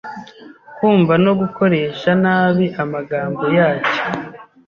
kumva no gukoresha nabi amagambo yacyo.